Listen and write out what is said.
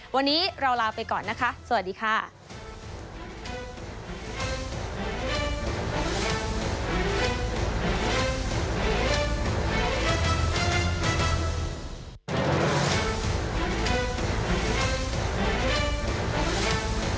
วันนี้เราลาไปก่อนนะคะสวัสดีค่ะ